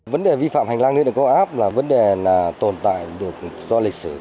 vấn đề vi phạm hành lang lưới điện có áp là vấn đề tồn tại được do lịch sử